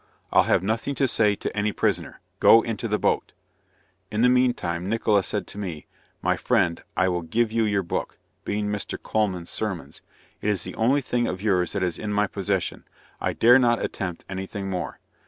"I'll have nothing to say to any prisoner, go into the boat." In the mean time Nickola said to me, "My friend, I will give you your book," (being Mr. Colman's Sermons,) "it is the only thing of yours that is in my possession; I dare not attempt any thing more."